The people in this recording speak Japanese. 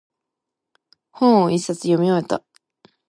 本を一冊読み終えた。